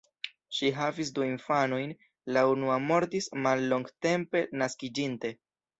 Ŝi havis du infanojn, la unua mortis mallongtempe naskiĝinte.